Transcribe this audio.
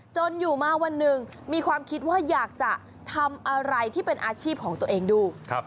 จนอยู่มาวันหนึ่งมีความคิดว่าอยากจะทำอะไรที่เป็นอาชีพของตัวเองดู